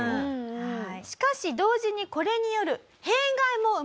しかし同時にこれによる。